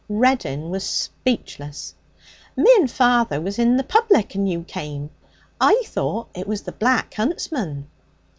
Reddin was speechless. 'Me and father was in the public, and you came. I thought it was the Black Huntsman.'